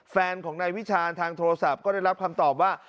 แฟนของนายวิชาณทางโทรศัพท์ก็ได้รับคำตอบว่า